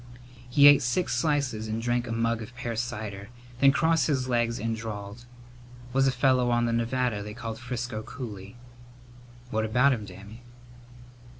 He ate six slices and drank a mug of pear cider, then crossed his legs and drawled, "Was a fellow on the Nevada they called Frisco Cooley." "What about him, Dammy?"